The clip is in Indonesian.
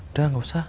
udah gak usah